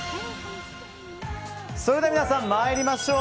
それでは皆さん参りましょう。